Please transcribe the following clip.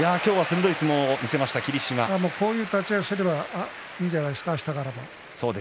こういう立ち合いをすればいいんじゃないですか明日からも。